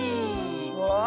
わあ。